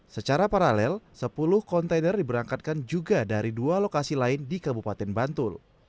secara paralel sepuluh kontainer diberangkatkan juga dari dua lokasi lain di kabupaten bantul